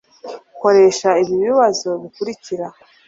Koresha ibi bibazo bikurikira